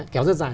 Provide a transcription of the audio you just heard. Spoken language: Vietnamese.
kéo rất dài